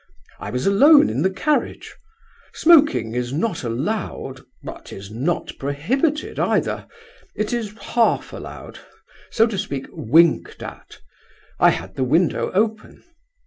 I was alone in the carriage. Smoking is not allowed, but is not prohibited either; it is half allowed—so to speak, winked at. I had the window open."